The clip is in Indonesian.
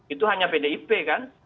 itu hanya pdip kan